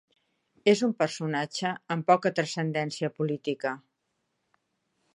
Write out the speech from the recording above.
És un personatge amb poca transcendència política.